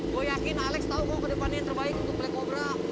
gue yakin alex tau gue kedepannya yang terbaik untuk play kobra